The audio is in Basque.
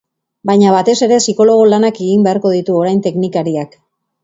Baina, batez ere, psikologo lanak egin beharko ditu orain teknikariak.